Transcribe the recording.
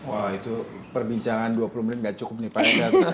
wah itu perbincangan dua puluh menit gak cukup nih pak